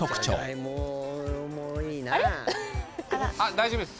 大丈夫です